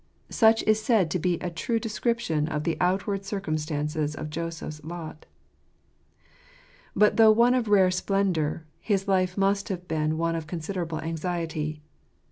Such is said to be a true descrip tion of the outward circumstances of Joseph's lot. But though one of rare spendour, his life must have been one of considerable anxiety.